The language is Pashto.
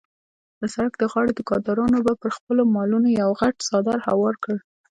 د سړک د غاړې دوکاندارانو به پر خپلو مالونو یو غټ څادر هوار کړ.